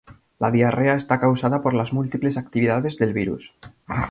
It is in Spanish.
La diarrea está causada por las múltiples actividades del virus.